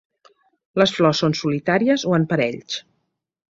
Les flors són solitàries o en parells.